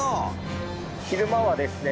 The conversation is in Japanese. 昼間はですね